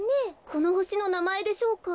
このほしのなまえでしょうか？